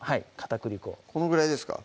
このぐらいですか？